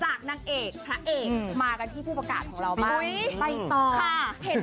นางเอกพระเอกมากันที่ผู้ประกาศของเราบ้าง